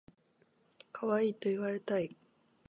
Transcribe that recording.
かわいいと言われたい